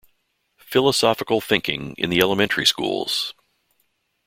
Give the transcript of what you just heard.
Philosophical Thinking in the Elementary Schools.